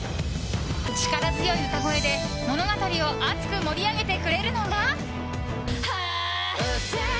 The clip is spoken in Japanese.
力強い歌声で物語を熱く盛り上げてくれるのが。